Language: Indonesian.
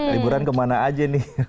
liburan kemana aja nih